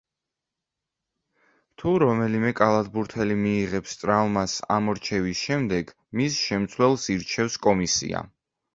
თუ რომელიმე კალათბურთელი მიიღებს ტრავმას ამორჩევის შემდეგ, მის შემცვლელს ირჩევს კომისია.